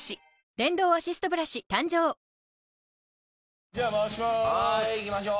電動アシストブラシ誕生じゃあ回します。